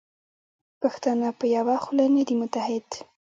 پښتانه په یوه خوله نه دي متحد.